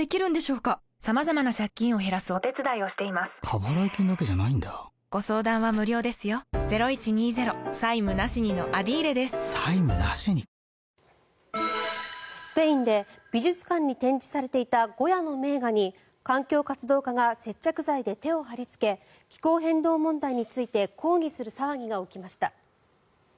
キーウでは防空壕としても利用可能なスペインで美術館に展示されていたゴヤの名画に環境活動家が接着剤で手を貼りつけ気候変動問題について抗議する騒ぎが起きました。